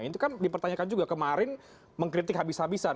itu kan dipertanyakan juga kemarin mengkritik habis habisan